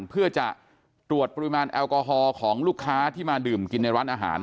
เพื่อจะตรวจปริมาณแอลกอฮอลของลูกค้าที่มาดื่มกินในร้านอาหาร